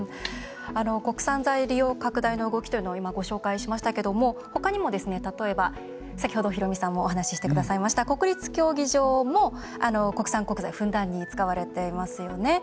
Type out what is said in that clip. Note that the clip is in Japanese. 国産材利用拡大の動きというのは今ご紹介しましたけれども他にも例えば先ほどヒロミさんもお話してくださいました国立競技場も国産材をふんだんに使われていますよね